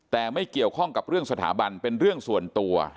แต่ไม่เกี่ยวข้องกับเรื่องสถาบันเป็นเรื่องส่วนตัว